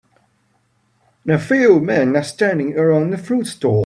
a few men are standing around a fruit stall.